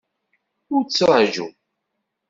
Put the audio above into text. Ur ttṛaju!